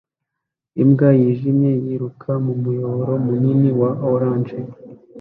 Imbwa yijimye yiruka mu muyoboro munini wa orange